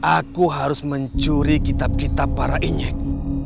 aku harus mencuri kitab kitab para injek